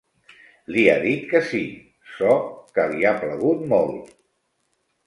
Li ha dit que sí, ço que li ha plagut molt.